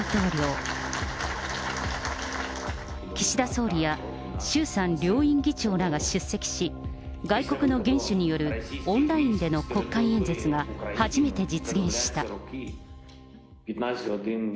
岸田総理や、衆参両院議長らが出席し、外国の元首によるオンラインでの国会演説は初めて実現した。